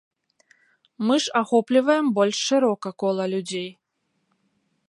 Мы ж ахопліваем больш шырока кола людзей.